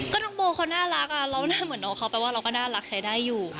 ก็น้องโบเขาน่ารักเราหน้าเหมือนน้องเขาแปลว่าเราก็น่ารักใช้ได้อยู่